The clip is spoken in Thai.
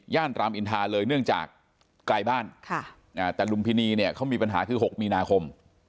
รามอินทาเลยเนื่องจากไกลบ้านแต่ลุมพินีเนี่ยเขามีปัญหาคือ๖มีนาคม